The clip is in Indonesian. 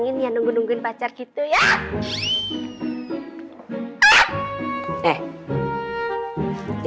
gua tabuk kiri kanan lu